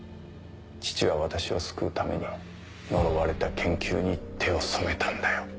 父は私を救うための呪われた研究に手を染めたんだよ。